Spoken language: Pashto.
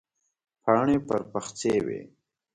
پاڼې پر پخڅې وې.